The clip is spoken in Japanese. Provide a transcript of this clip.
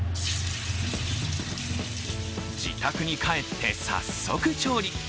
自宅に帰って早速調理。